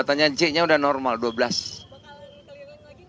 bisa kelihatan lagi nggak pak